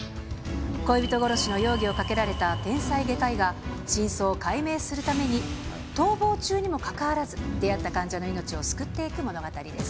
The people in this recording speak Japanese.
恋人殺しの容疑をかけられた天才外科医が、真相を解明するために、逃亡中にもかかわらず、出会った患者の命を救っていく物語です。